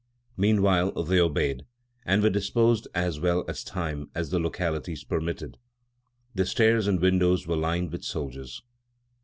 Meanwhile they obeyed, and were disposed as well as time and the localities permitted. The stairs and windows were lined with soldiers."